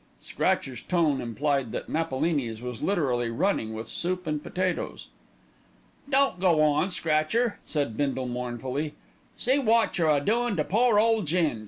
Scratcher's tone implied that Napolini's was literally running with soup and potatoes. "Don't go on, Scratcher," said Bindle mournfully; "see wot you're a doin' to pore Ole Ging."